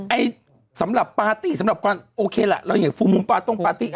สำหรับปาร์ตี้สำหรับความโอเคล่ะเราอย่างฟูมุมปาต้งปาร์ตี้